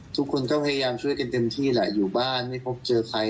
ทุกคนก็พยายามช่วยกันเต็มที่แหละอยู่บ้านไม่พบเจอใคร